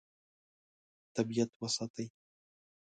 طبیعت وساتئ.